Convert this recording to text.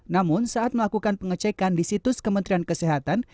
namun saat melakukan pengecekan di situs kementerian kesehatan